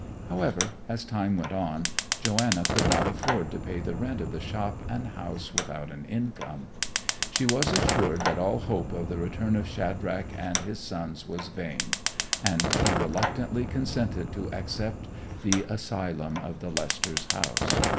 However, as time went on Joanna could not afford to pay the rent of the shop and house without an income. She was assured that all hope of the return of Shadrach and his sons was vain, and she reluctantly consented to accept the asylum of the Lesters' house.